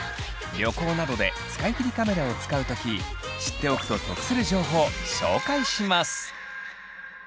旅行などで使い切りカメラを使う時知っておくと得する情報紹介します！